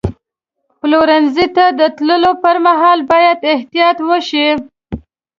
پلورنځي ته د تللو پر مهال باید احتیاط وشي.